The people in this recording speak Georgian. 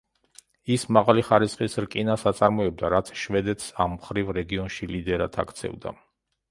ის მაღალი ხარისხის რკინას აწარმოებდა, რაც შვედეთს ამ მხრივ რეგიონში ლიდერად აქცევდა.